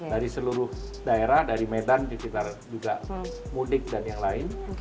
dari seluruh daerah dari medan di sekitar juga mudik dan yang lain